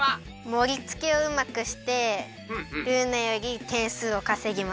もりつけをうまくしてルーナよりてんすうをかせぎます。